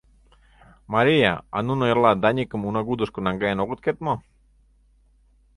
— Мария, а нуно эрла Даникым унагудышко наҥгаен огыт керт мо?